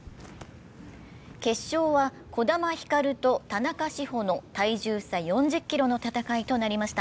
決勝は児玉ひかると田中志歩の体重差４０ｋｇの戦いとなりました。